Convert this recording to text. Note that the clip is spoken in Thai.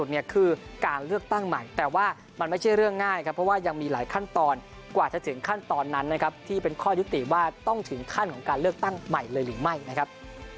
ใหม่เลยหรือไม่นะครับ